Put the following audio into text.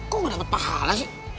kok gak dapat pahala ya